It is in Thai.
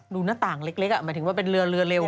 ดูหน้าต่างเล็กหมายถึงว่าเป็นเรือเรือเร็ว